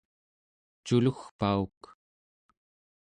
culugpauk